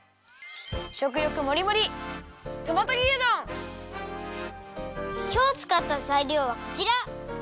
しょくよくもりもりきょうつかったざいりょうはこちら。